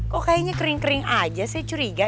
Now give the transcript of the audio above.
kok kayaknya kering kering aja saya curiga